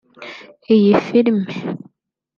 Iyi Filme